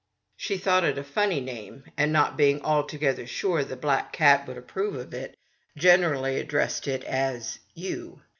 She thought it a funny name, and not being altogether sure the black cat would approve of it> she generally addressed it as " you."